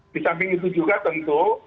di samping itu juga tentu